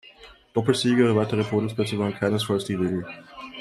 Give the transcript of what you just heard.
Doppelsiege oder weitere Podiumsplätze waren keinesfalls die Regel.